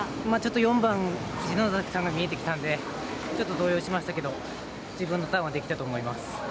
４番、篠崎さんが見えてきたのでちょっと動揺しましたけど自分のターンはできたと思います。